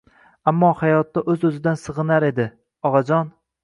Ammo hayotda o‘z-o‘zidan sig‘inar edi, og‘ajon!